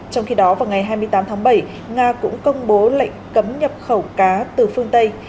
trong khi đó vào ngày hai mươi tám tháng bảy nga cũng công bố lệnh cấm nhập khẩu cá từ phương tây